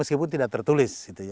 itu tidak tertulis